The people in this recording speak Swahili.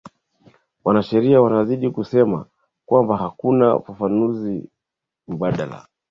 wanasheria wanazidi kusema kwamba hakuna fafanuzi mbadala